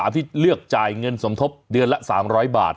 ที่เลือกจ่ายเงินสมทบเดือนละ๓๐๐บาท